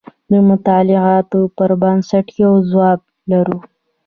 د مطالعاتو پر بنسټ یو ځواب لرو.